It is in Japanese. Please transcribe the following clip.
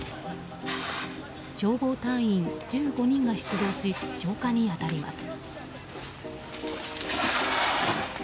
消防隊員１５人が出動し消火に当たります。